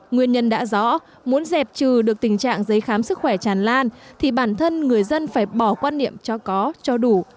nguyên nhân đã rõ muốn dẹp trừ được tình trạng giấy khám sức khỏe tràn lan thì bản thân người dân phải bỏ quan niệm cho có cho đủ